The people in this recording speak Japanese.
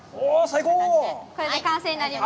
これで完成になります。